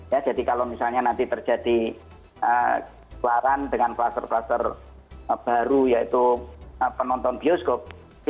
ya jadi kalau misalnya nanti terjadi keluaran dengan kluster kluster baru yaitu penonton bioskop